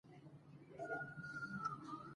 دا خو نوره یې هم جگه کړه.